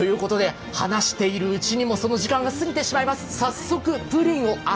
話しているうちにもその時間がすぎてしまいます。